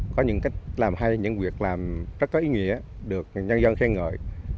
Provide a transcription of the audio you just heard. có những cách làm hay những việc làm rất có ý nghĩa được nhân dân khen ngợi